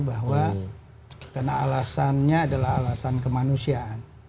bahwa karena alasannya adalah alasan kemanusiaan